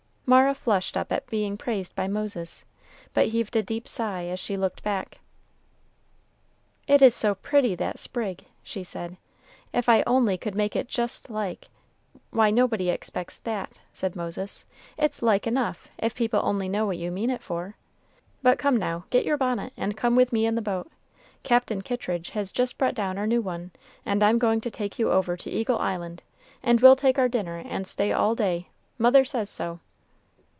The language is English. Mara flushed up at being praised by Moses, but heaved a deep sigh as she looked back. "It's so pretty, that sprig," she said; "if I only could make it just like" "Why, nobody expects that," said Moses, "it's like enough, if people only know what you mean it for. But come, now, get your bonnet, and come with me in the boat. Captain Kittridge has just brought down our new one, and I'm going to take you over to Eagle Island, and we'll take our dinner and stay all day; mother says so."